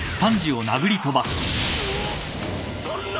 そんな。